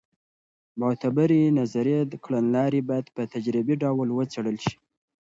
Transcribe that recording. معتبرې نظري کړنلارې باید په تجربي ډول وڅېړل سي.